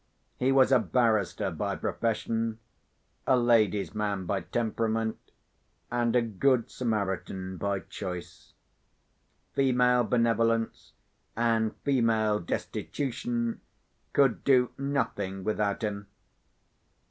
He was a barrister by profession; a ladies' man by temperament; and a good Samaritan by choice. Female benevolence and female destitution could do nothing without him.